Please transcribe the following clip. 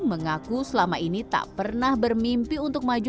mengaku selama ini tak pernah bermimpi untuk maju